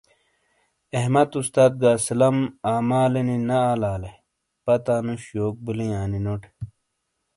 احمد استاس گہ اسلم اعمالے نی نے آلا لے پتا نوش یوک بلیں آنینو ٹے ۔